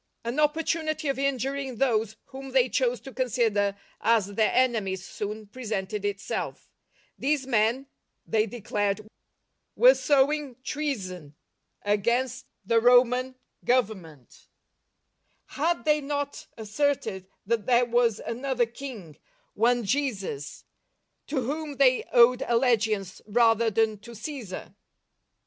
An ppportunity of injuring thpse whom they chose to consider as their enemies soon pre sented itself. These men, thej? declared, were spvdng Treason a.gainst the ; Rpm Tnenh^:^^ H ahother King, one Jesus, to whom they owed allegiance rather than to Gsesar